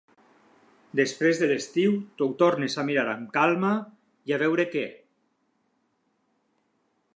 Després de l'estiu t'ho tornes a mirar amb calma i a veure què.